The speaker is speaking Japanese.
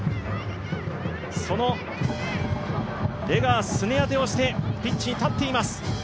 そのレガース、すね当てをしてピッチに立っています。